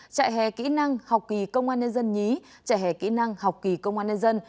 trại hè kỹ năng học kỳ công an nhân dân nhí trại hè kỹ năng học kỳ công an nhân dân